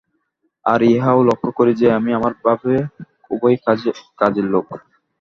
আর ইহাও লক্ষ্য করিও যে, আমি আমার ভাবে খুবই কাজের লোক।